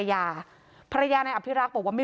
ความปลอดภัยของนายอภิรักษ์และครอบครัวด้วยซ้ำ